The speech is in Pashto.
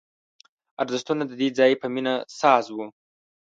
ارزښتونه د دې ځای په مینه ساز وو